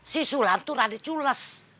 si sulam tuh rame cules